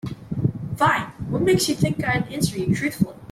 Fine, what makes you think I'd answer you truthfully?